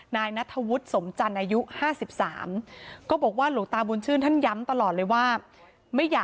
นายนัทธวุธสมจันทร์อายุ๕๓